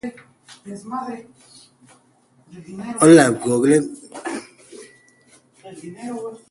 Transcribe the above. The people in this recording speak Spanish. Su extrema meticulosidad limitó el número de obras.